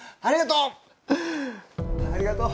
ありがとう！